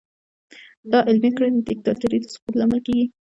دا عملي کړنې د دیکتاتورۍ د سقوط لامل کیږي.